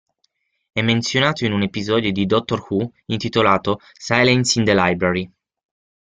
È menzionato in un episodio di "Doctor Who" intitolato "Silence in the Library".